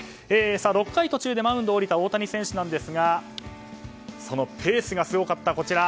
６回途中でマウンドを降りた大谷選手ですがそのペースがすごかった。